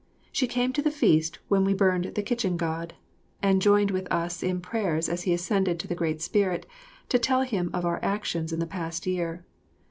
She came to the feast when we burned the Kitchen God, and joined with us in prayers as he ascended to the great Spirit to tell him of our actions in the past year.